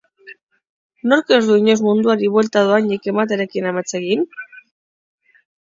Nork ez du inoiz munduari buelta dohainik ematearekin amets egin!